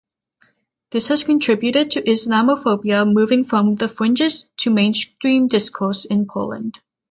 This has contributed to Islamophobia moving from the fringes to mainstream discourse in Poland.